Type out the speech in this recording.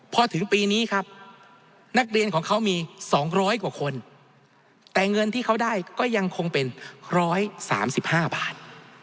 พอถึงปีนี้ครับนักเรียนของเขามี๒๐๐กว่าคนแต่เงินที่เขาได้ก็ยังคงเป็น๑๓๕บาท